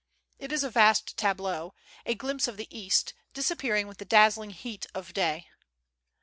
It is a vast tableau, a glimpse of the East, disappearing with tlie dazzling heat of day.